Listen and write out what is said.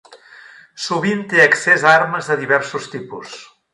Sovint té accés a armes de diversos tipus.